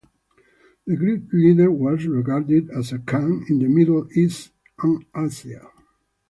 The great leader was regarded as a khan in the middle east and Asia.